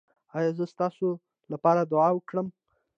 ایا زه ستاسو لپاره دعا وکړم؟